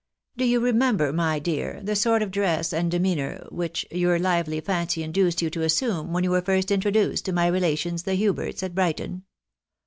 Do you remember, my dear, the sort of dress and demeanour which your lively fancy induced you to assume when you were first introduced to my relations, the Huberts, at Brighton?"